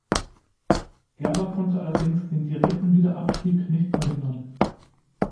Gerber konnte allerdings den direkten Wiederabstieg nicht verhindern.